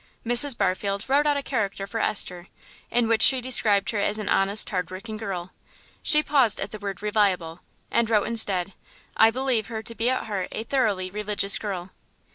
Mrs. Barfield wrote out a character for Esther, in which she described her as an honest, hard working girl. She paused at the word "reliable," and wrote instead, "I believe her to be at heart a thoroughly religious girl."